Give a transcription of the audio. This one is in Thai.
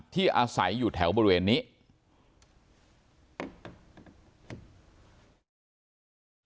ที่อาศัยอยู่แถวบริเวณนี้